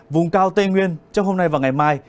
vùng cao tây nguyên trong hôm nay và ngày mai